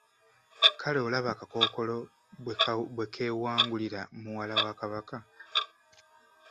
Kale olaba akakookolo bwe kewangulira muwala wa kabaka.